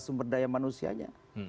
sumber daya manusianya